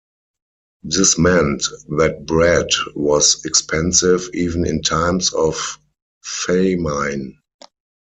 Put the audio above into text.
This meant that bread was expensive, even in times of famine.